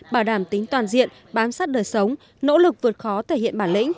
bảo đảm tính toàn diện bám sát đời sống nỗ lực vượt khó thể hiện bản lĩnh